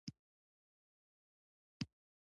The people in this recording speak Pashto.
ډالر باید په دوران کې پاتې شي.